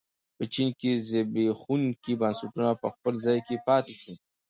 په چین کې زبېښونکي بنسټونه په خپل ځای پاتې شول.